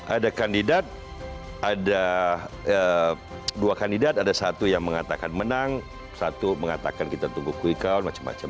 ada kandidat ada dua kandidat ada satu yang mengatakan menang satu mengatakan kita tunggu quick count macam macam